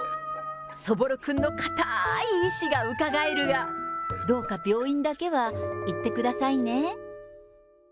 そぼろくんの固ーい意思がうかがえるや、どうか病院だけは行ってくださいね。